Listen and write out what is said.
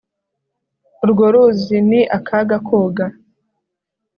Urwo ruzi ni akaga koga